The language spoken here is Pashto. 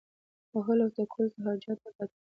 وهلو او ټکولو ته حاجت نه پاتې کېده.